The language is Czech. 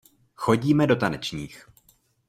Chodíme do tanečních.